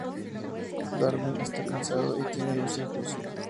Darwin está casado y tiene dos hijos.